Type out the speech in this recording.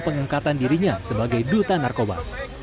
pengangkatan dirinya sebagai duta narkoba